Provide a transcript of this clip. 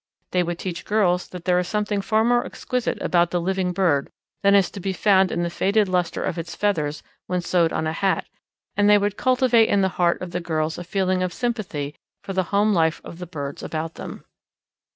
They would teach girls that there is something far more exquisite about the living bird than is to be found in the faded lustre of its feathers when sewed on a hat, and they would cultivate in the heart of the girls a feeling of sympathy for the home life of the birds about them.